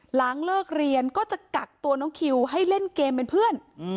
หลังเลิกเรียนก็จะกักตัวน้องคิวให้เล่นเกมเป็นเพื่อน